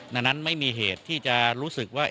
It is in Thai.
ดังนั้นไม่มีเหตุที่จะรู้สึกว่า